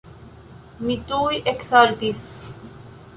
Mi tuj eksaltis.